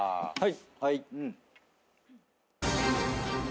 はい。